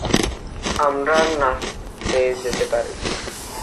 আমরা নাচতে যেতে পারি?